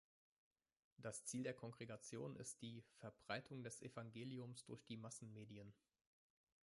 Das Ziel der Kongregation ist die „Verbreitung des Evangeliums durch die Massenmedien“.